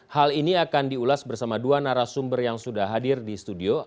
hal ini akan diulas bersama dua narasumber yang sudah hadir di studio